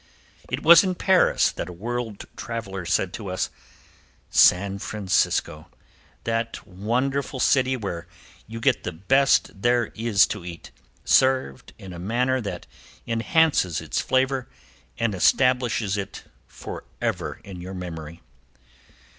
It was in Paris that a world traveler said to us: "San Francisco! That wonderful city where you get the best there is to eat, served in a manner that enhances its flavor and establishes it forever in your memory."